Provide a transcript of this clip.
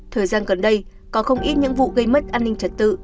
thời gian gần đây có không ít những vụ gây mất an ninh trật tự